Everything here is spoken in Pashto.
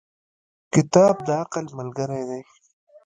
• کتاب د عقل ملګری دی.